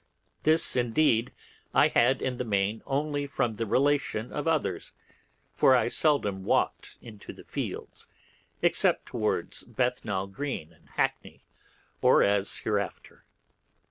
This, indeed, I had in the main only from the relation of others, for I seldom walked into the fields, except towards Bethnal Green and Hackney, or as hereafter.